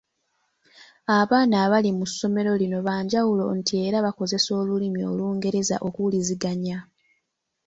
Abaana abali mu ssomero lino banjawulo nti era bakozesa olulimi Olungereza okuwuliziganya.